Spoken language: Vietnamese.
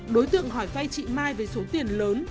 đối tượng hỏi vay chị mai về số tiền lớn